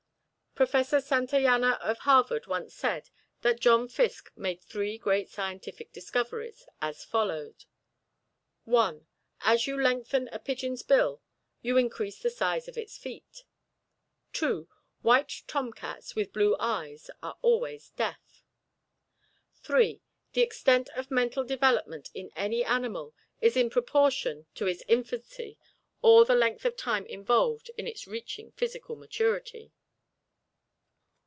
Professor Santayanna of Harvard once said that John Fiske made three great scientific discoveries, as follows: 1. As you lengthen a pigeon's bill, you increase the size of its feet. 2. White tomcats with blue eyes are always deaf. 3. The extent of mental development in any animal is in proportion to its infancy or the length of time involved in its reaching physical maturity.